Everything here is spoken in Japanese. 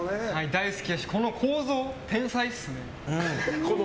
大好きだしこの構造も天才っすね。